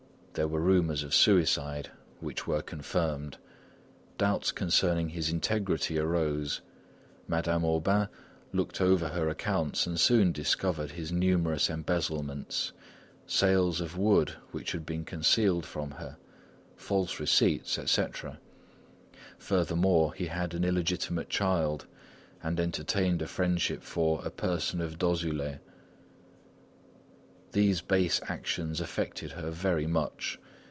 There were rumours of suicide, which were confirmed; doubts concerning his integrity arose. Madame Aubain looked over her accounts and soon discovered his numerous embezzlements; sales of wood which had been concealed from her, false receipts, etc. Furthermore, he had an illegitimate child, and entertained a friendship for "a person in Dozulé." These base actions affected her very much.